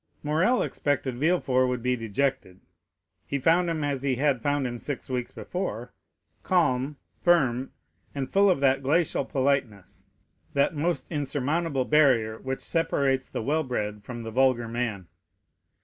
Morrel expected Villefort would be dejected; he found him as he had found him six weeks before, calm, firm, and full of that glacial politeness, that most insurmountable barrier which separates the well bred from the vulgar man.